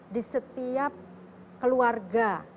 di setiap keluarga